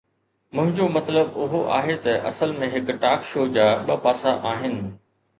منهنجو مطلب اهو هو ته اصل ۾ هڪ ٽاڪ شو جا ٻه پاسا آهن.